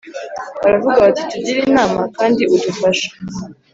Baravuga bati «Tugire inama kandi udufashe!